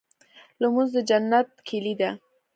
لمونځ د جنت کيلي ده.